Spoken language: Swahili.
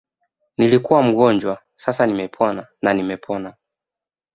Nilikuwa mgonjwa sasa nimepona na nimepona